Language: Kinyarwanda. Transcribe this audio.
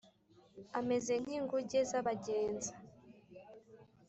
ameze nk’inkuge z’abagenza,